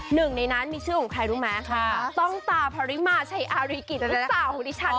หนึ่งในนั้นมีชื่อของใครรู้มั้ยต้องต่าพริมาใช้อาริกิจศาสตร์ของดิฉันค่ะ